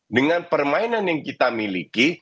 dengan permainan yang kita miliki